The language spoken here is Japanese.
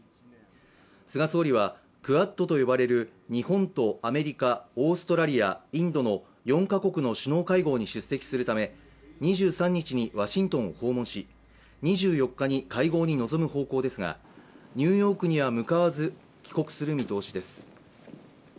菅総理は、クアッドと呼ばれる日本とアメリカ、オーストラリア、インドの４カ国の首脳会合に出席するため２３日にワシントンを訪問し２４日に会合に臨む方向ですが、ニューヨークには向かわず帰国する見通しです。